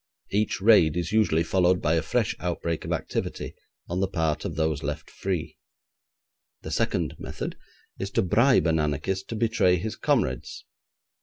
Each raid is usually followed by a fresh outbreak of activity on the part of those left free. The second method is to bribe an anarchist to betray his comrades.